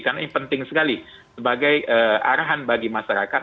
karena ini penting sekali sebagai arahan bagi masyarakat